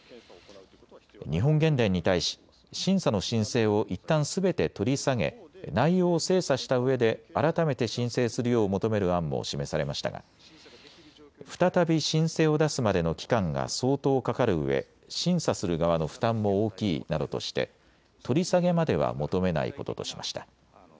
日本原電に対し審査の申請をいったんすべて取り下げ内容を精査したうえで改めて申請するよう求める案も示されましたが再び申請を出すまでの期間が相当かかるうえ審査する側の負担も大きいなどとして取り下げまでは求めないこととしました。